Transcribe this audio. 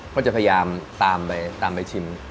ก็จะพยายามตามไปตามไปชิม